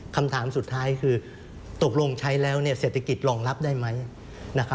คำถามสุดท้ายคือตกลงใช้แล้วเศรษฐกิจรองรับได้ไหม